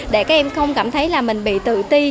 để các em không cảm thấy là mình bị tự ti